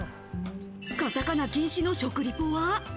カタカナ禁止の食リポは？